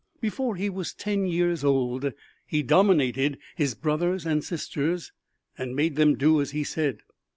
Before he was ten years old he dominated his brothers and sisters and made them do as he said.